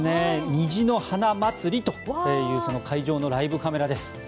虹の花まつりという会場のライブカメラです。